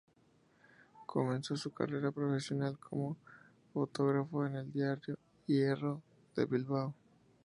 Comenzó su carrera profesional como fotógrafo en el diario "Hierro" de Bilbao.